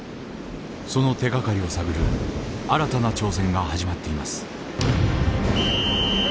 その手がかりを探る新たな挑戦が始まっています。